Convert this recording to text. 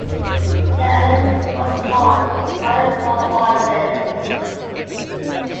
The election was won by a small margin.